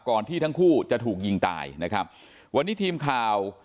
ก่อนที่ทั้งคู่จะถูกยิงตายนะครับ